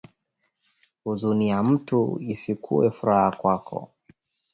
Uzuni ya mutu isikuwe furaha kwako